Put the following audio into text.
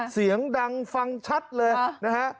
เสียงดังฟังชัดเลยนะฮะ